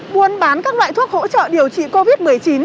buôn bán các loại thuốc hỗ trợ điều trị covid một mươi chín